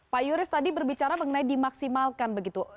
pak yuris tadi berbicara mengenai dimaksimalkan begitu